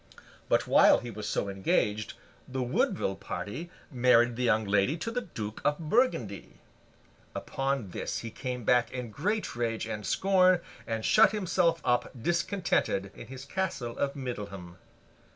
But, while he was so engaged, the Woodville party married the young lady to the Duke of Burgundy! Upon this he came back in great rage and scorn, and shut himself up discontented, in his Castle of Middleham.